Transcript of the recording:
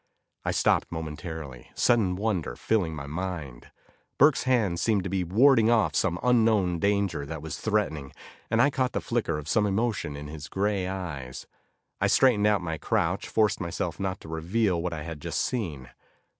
I stopped momentarily, sudden wonder filling my mind. Burke's hands seemed to be warding off some unknown danger that was threatening, and I caught the flicker of some emotion in his grey eyes. I straightened out of my crouch, forced myself not to reveal what I had just seen.